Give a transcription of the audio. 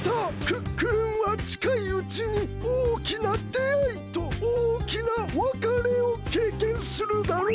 クックルンはちかいうちにおおきなであいとおおきなわかれをけいけんするだろう。